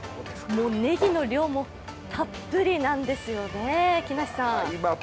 ねぎの量もたっぷりなんですよね。